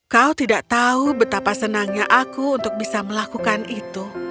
kau tidak tahu betapa senangnya aku untuk bisa melakukan itu